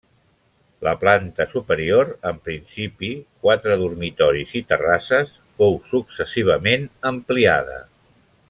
La planta superior, en principi quatre dormitoris i terrasses, fou successivament ampliada.